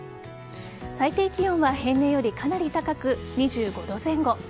最低気温は平年よりかなり高く２５度前後。